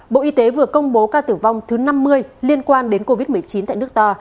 bộ y tế vừa công bố ca tử vong thứ năm mươi liên quan đến covid một mươi chín tại nước ta